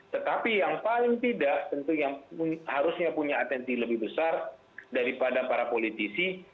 tetapi yang paling tidak tentu yang harusnya punya atensi lebih besar daripada para politisi